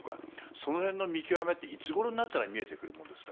その辺の見極めっていつごろになれば見えてくるものですか？